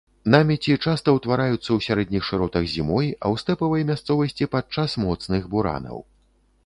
Намеці часта ўтвараюцца ў сярэдніх шыротах зімой, а ў стэпавай мясцовасці падчас моцных буранаў.